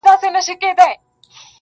• په سینه او ټول وجود کي یې سوې څړیکي -